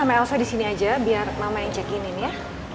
pak elsa disini aja biar mama yang cek ini ya